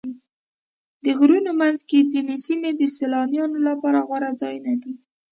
د غرونو منځ کې ځینې سیمې د سیلانیانو لپاره غوره ځایونه دي.